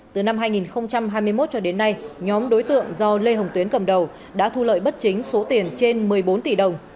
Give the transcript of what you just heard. từ năm hai nghìn hai mươi một cho đến nay nhóm đối tượng do lê hồng tuyến cầm đầu đã thu lợi bất chính số tiền trên một mươi bốn tỷ đồng